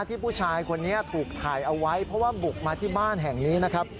ที่ผู้ชายคนนี้ถูกถ่ายเอาไว้เพราะว่าบุกมาที่บ้านแห่งนี้นะครับ